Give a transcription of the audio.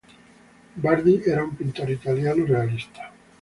Bardi era un pintor italiano realista.